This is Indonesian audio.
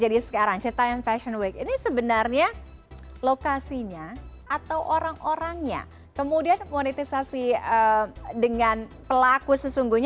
dari taman dukuh atas itu kan sudah